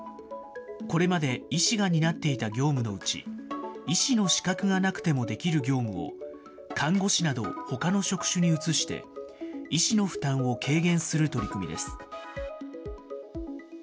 これまで医師が担っていた業務のうち、医師の資格がなくてもできる業務を看護師などほかの職種に移して、医師の負担を軽減する取り組みです。